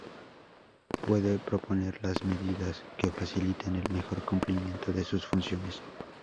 Puede proponer las medidas que faciliten el mejor cumplimiento de sus funciones.